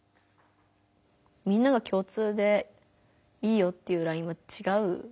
みんながきょう通でいいよっていうラインはちがう。